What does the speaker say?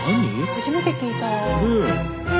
初めて聞いた。